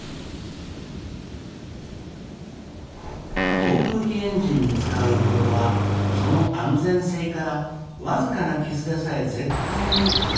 航空機エンジンに使うボルトはその安全性から僅かな傷でさえ絶対に許されません。